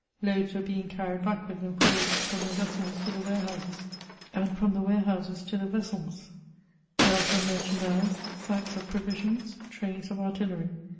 Loads were heing carried hack wards and forwards, from the vessels to the warehouses, and from the warehouses to the vessels : hales of merchan dise, sacks of provisions, trains of artillery.